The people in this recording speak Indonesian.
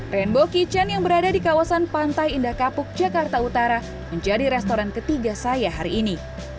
rainbow kitchen yang berada di kawasan pantai indah kapuk jakarta utara menjadi restoran ketiga saya hari ini